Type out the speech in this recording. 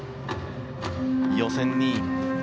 予選２位。